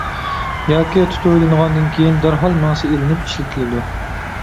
ياكى تۇتۇۋېلىنغاندىن كېيىن دەرھال مېڭىسى ئېلىنىپ ئىشلىتىلىدۇ.